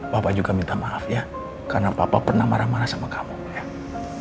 bapak juga minta maaf ya karena papa pernah marah marah sama kamu